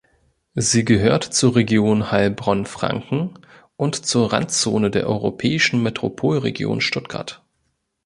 Sie gehört zur Region Heilbronn-Franken und zur Randzone der europäischen Metropolregion Stuttgart.